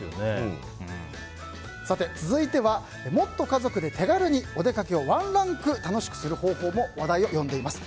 続いては、もっと家族で手軽にお出かけをワンランク楽しくする方法も話題を呼んでいます。